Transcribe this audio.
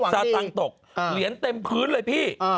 สตังค์ตกเหรียญเต็มพื้นเลยพี่